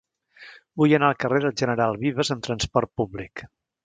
Vull anar al carrer del General Vives amb trasport públic.